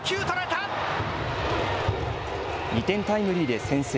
２点タイムリーで先制。